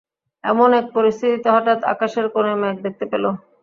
এমন এক পরিস্থিতিতে হঠাৎ আকাশের কোণে মেঘ দেখতে পেল।